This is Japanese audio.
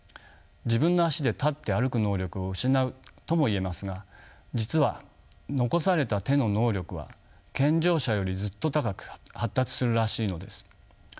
自分の足で立って歩く能力を失うとも言えますが実は残された手の能力は健常者よりずっと高く発達するらしいのです。